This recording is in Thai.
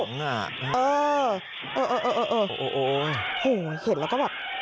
เออเออเออเออเออโอ้โหเห็นแล้วก็แบบ